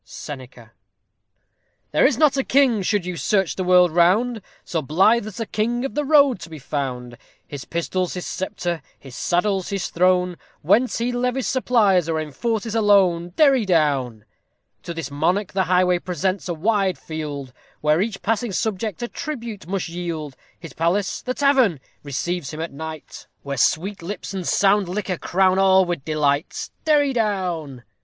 SENECA. There is not a king, should you search the world round, So blithe as the king of the road to be found; His pistol's his sceptre, his saddle's his throne, Whence he levies supplies, or enforces a loan. Derry down. To this monarch the highway presents a wide field, Where each passing subject a tribute must yield; His palace the tavern! receives him at night, Where sweet lips and sound liquor crown all with delight. _Derry down.